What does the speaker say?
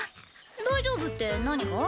大丈夫って何が？